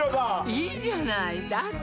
いいじゃないだって